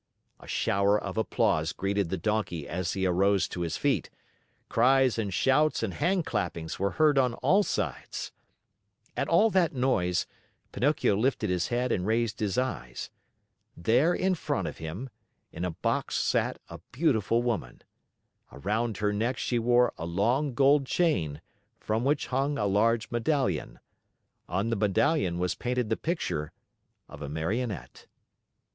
A shower of applause greeted the Donkey as he arose to his feet. Cries and shouts and handclappings were heard on all sides. At all that noise, Pinocchio lifted his head and raised his eyes. There, in front of him, in a box sat a beautiful woman. Around her neck she wore a long gold chain, from which hung a large medallion. On the medallion was painted the picture of a Marionette.